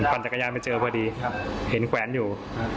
จักรยานมาเจอพอดีเห็นแขวนอยู่